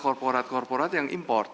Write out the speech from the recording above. korporat korporat yang import